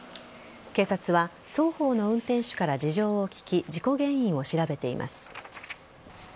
警察は双方の運転手から事情を聴き事故原因を調べています。